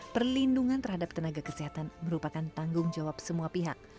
perlindungan terhadap tenaga kesehatan merupakan tanggung jawab semua pihak